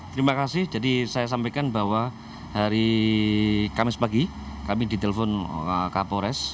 terima kasih jadi saya sampaikan bahwa hari kamis pagi kami ditelepon kapolres